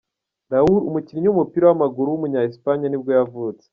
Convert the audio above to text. Raúl, umukinnyi w’umupira w’amaguru w’umunya Espagne nibwo yavutse.